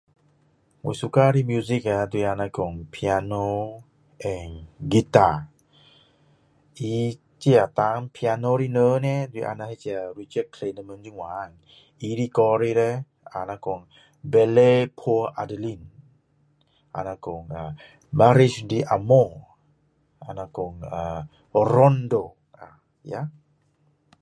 我喜欢的 music 就是 piano and guitar 这个弹 piano 的人像那个他的歌比如像